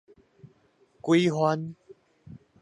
幾番